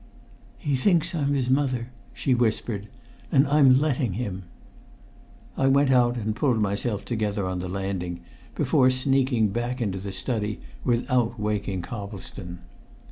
"He thinks I'm his mother," she whispered "and I'm letting him!" I went out and pulled myself together on the landing, before sneaking back into the study without waking Coplestone.